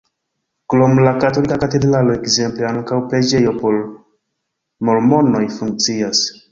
Krom la katolika katedralo ekzemple ankaŭ preĝejo por mormonoj funkcias.